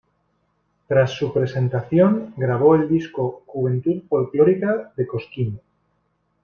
Tras su presentación, grabó el disco "Juventud Folklórica de Cosquín".